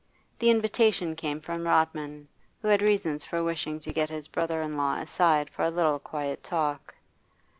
The invitation came from Rodman, who had reasons for wishing to get his brother in law aside for a little quiet talk.